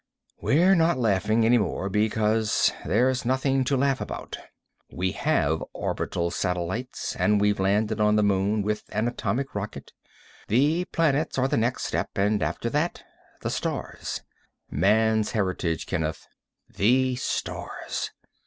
"We're not laughing any more because there's nothing to laugh about. We have orbital satellites, and we've landed on the Moon with an atomic rocket. The planets are the next step, and after that the stars. Man's heritage, Kenneth. The stars.